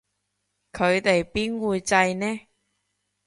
佢哋邊會䎺呢